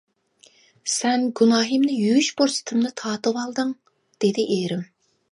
-سەن گۇناھىمنى يۇيۇش پۇرسىتىمنى تارتىۋالدىڭ، -دېدى ئېرىم.